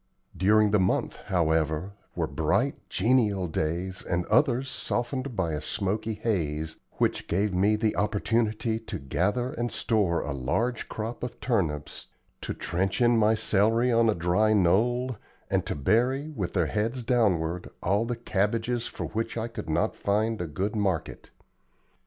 During the month, however, were bright, genial days, and others softened by a smoky haze, which gave me opportunity to gather and store a large crop of turnips, to trench in my celery on a dry knoll, and to bury, with their heads downward, all the cabbages for which I could not find a good market.